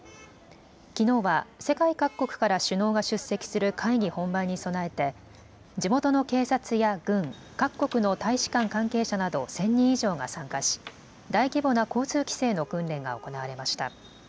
きのうは世界各国から首脳が出席する会議本番に備えて地元の警察や軍、各国の大使館関係者など１０００人以上が参加し大規模な交通規制の訓練が行われました。